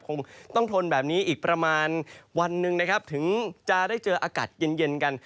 คงต้องทนแบบนี้อีกประมาณวันหนึ่งนะครับถึงจะได้เจออากาศเย็นกัน